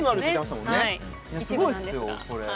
すごいですよこれ。